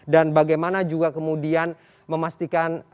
dan bagaimana juga kemudian memastikan